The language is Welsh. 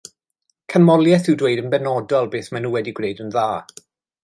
Canmoliaeth yw dweud yn benodol beth maen nhw wedi gwneud yn dda